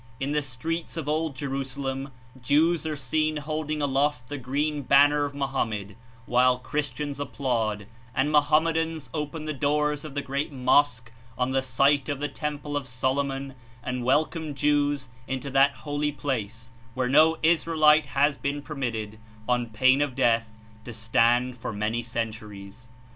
In the streets of old Jerusalem Jews are seen holding p\^ifiij^gj^,^ aloft the green banner of Mohammed while Christians applaud, and Mohammedans open the doors of the great Mosque on the site of the Temple of Solomon and welcome Jews into that holy place where no Israelite has been permitted, on pain of death, to stand for many centuries.